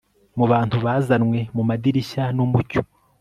Mubantu bazanwe mumadirishya numucyo